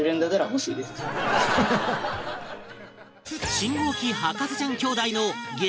信号機博士ちゃん兄弟の激